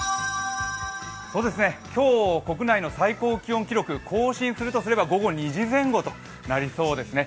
今日、国内の最高気温記録、更新するとすれば午後２時前後となりそうですね。